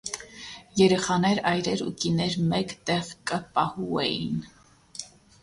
Երեխաներ, այրեր ու կիներ մէկ տեղ կը պահուէին։